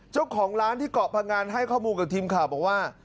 เจ้าของร้านที่เกาะพังงานให้ข้อมูลกับทีมข่าวบอกว่า